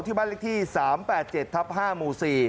ที่บ้านลิขที่๓๘๗ทับ๕มู๔